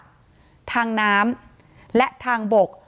ทั้งทางอากาศทางน้ำและทางบก